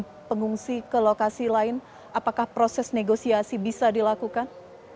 untuk pengungsi ke lokasi lain apakah proses negosiasi bisa dilakukan